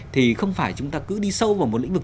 thì không phải chúng ta cứ đi sâu vào một lĩnh vực